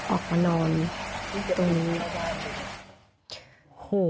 ออกมานอนตรงนี้